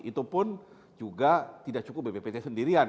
itu pun juga tidak cukup bppt sendirian